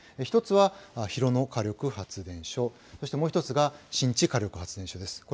１つは広野火力発電所、そしてもう１つが新地火力発電所です。